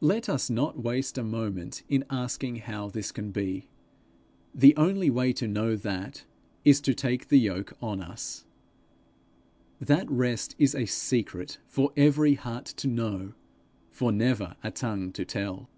Let us not waste a moment in asking how this can be; the only way to know that, is to take the yoke on us. That rest is a secret for every heart to know, for never a tongue to tell.